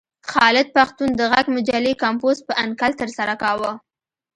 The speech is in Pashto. خالد پښتون د غږ مجلې کمپوز په انکل ترسره کاوه.